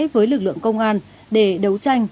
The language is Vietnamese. với lực lượng công an để đấu tranh